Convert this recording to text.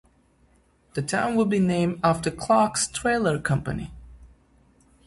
The town would be named after Clark's trailer company.